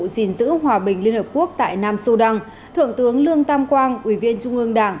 gìn giữ hòa bình liên hợp quốc tại nam sudan thượng tướng lương tam quang ủy viên trung ương đảng